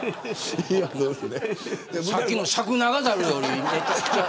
さっきの尺長ザルより。